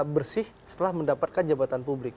bersih setelah mendapatkan jabatan publik